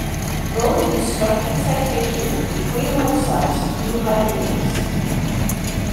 Both use the structured citation between websites through hyperlinks.